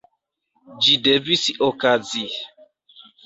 Ĝi devis okazi.